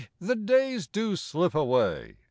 the days do slip away !